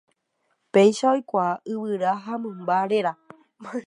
Péicha oikuaa yvyra ha mymba réra.